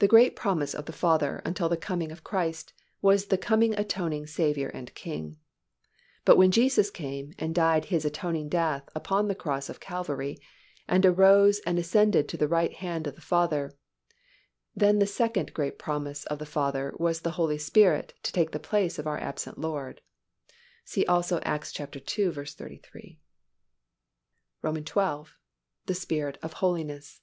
The great promise of the Father until the coming of Christ was the coming atoning Saviour and King, but when Jesus came and died His atoning death upon the cross of Calvary and arose and ascended to the right hand of the Father, then the second great promise of the Father was the Holy Spirit to take the place of our absent Lord. (See also Acts ii. 33.) XII. _The Spirit of Holiness.